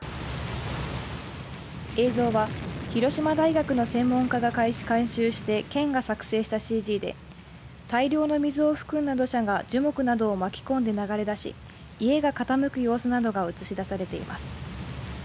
映像は広島大学の専門家が監修して県が作成したＣＧで大量の水を含んだ土砂が樹木などを巻き込んで流れ出し家が傾く様子などが映し出されています。